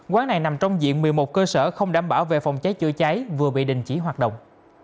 quán này nằm trong diện một mươi một cơ sở không đảm bảo về phòng cháy chữa cháy vừa bị đình chỉ hoạt động